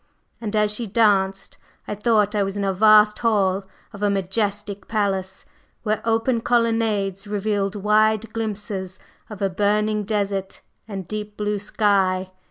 And as she danced, I thought I was in a vast hall of a majestic palace, where open colonnades revealed wide glimpses of a burning desert and deep blue sky.